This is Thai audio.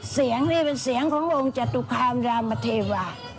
เสียงนี่เป็นเสียงขององค์จตุคามรามเทวา